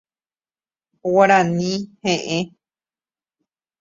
Guarani he'ẽ.